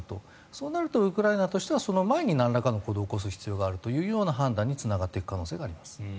そうなるとウクライナとしてはその前になんらかの行動を起こす必要があるという判断につながっていく可能性があります。